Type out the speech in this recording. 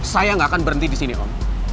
saya nggak akan berhenti di sini om